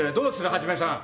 一さん。